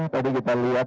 tadi kita lihat